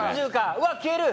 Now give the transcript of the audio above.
うわ消える！